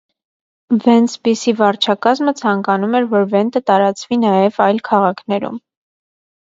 Վենտսպիսի վարչակազմը ցանկանում էր, որ վենտը տարածվի նաև այլ քաղաքներում։